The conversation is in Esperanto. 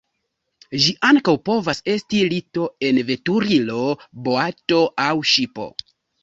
Ĝi ankaŭ povas esti lito en veturilo, boato aŭ ŝipo.